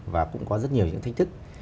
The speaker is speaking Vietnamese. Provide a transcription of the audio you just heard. và cũng có rất nhiều những thách thức